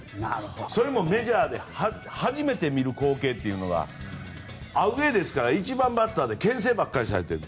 それもメジャーで初めて見る光景というのがアウェーですから１番バッターでけん制ばかりされている。